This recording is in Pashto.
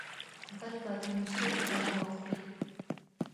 بل به دې نو څوک غم وخوري.